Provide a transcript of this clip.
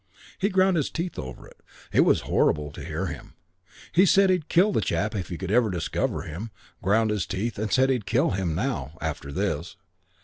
He ground his teeth over it. It was horrible to hear him. He said he'd kill the chap if he could ever discover him; ground his teeth and said he'd kill him, now after this.